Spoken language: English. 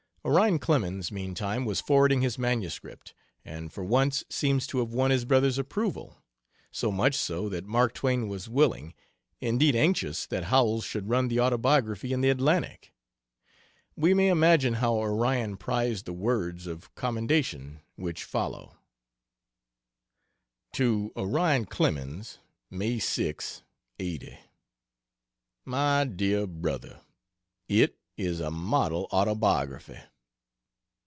Onion Clemens, meantime, was forwarding his manuscript, and for once seems to have won his brother's approval, so much so that Mark Twain was willing, indeed anxious, that Howells should run the "autobiography" in the Atlantic. We may imagine how Onion prized the words of commendation which follow: To Orion Clemens: May 6, '80. MY DEAR BROTHER, It is a model autobiography.